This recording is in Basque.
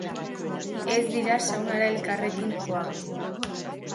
Ez dira saunara elkarrekin joango.